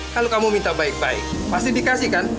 kalau kamu minta baik baik pasti dikasih kan